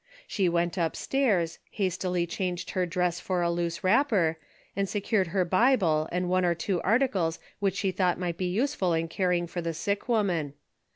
She went upstairs, hastily changed her dress for a loose wrapper, and secured her Bible and one or two articles which she thought might be use ful in caring for the sick woman.